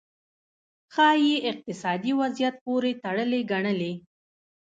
ښايي اقتصادي وضعیت پورې تړلې ګڼلې.